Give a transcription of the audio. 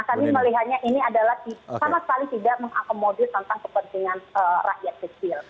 kami melihatnya ini adalah sama sekali tidak mengakomodir tentang kepentingan rakyat kecil